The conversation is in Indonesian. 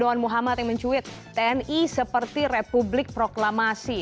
dewan muhammad yang mencuit tni seperti republik proklamasi